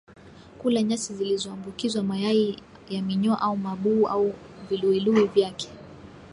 Kula nyasi zilizoambukizwa mayai ya minyoo au mabuu au viluwiluwi vyake